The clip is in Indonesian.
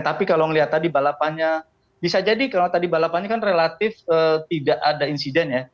tapi kalau melihat tadi balapannya bisa jadi kalau tadi balapannya kan relatif tidak ada insiden ya